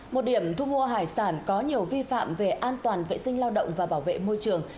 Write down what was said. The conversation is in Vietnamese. một điểm thu mua hải sản có nhiều vi phạm về an toàn vệ sinh lao động và bảo vệ môi trường